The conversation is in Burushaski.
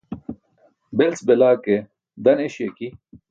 Belc belaa ke, dan eśi aki.